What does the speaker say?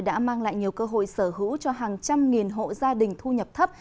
đã mang lại nhiều cơ hội sở hữu cho hàng trăm nghìn hộ gia đình thu nhập thấp